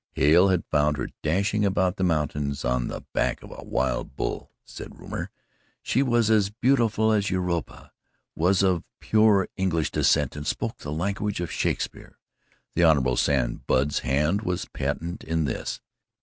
Hale had found her dashing about the mountains on the back of a wild bull, said rumour. She was as beautiful as Europa, was of pure English descent and spoke the language of Shakespeare the Hon. Sam Budd's hand was patent in this.